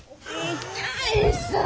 痛いさあ。